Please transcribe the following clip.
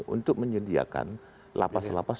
untuk menyediakan lapas lapas